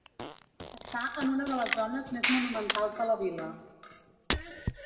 Està en una de les zones més monumentals de la vila.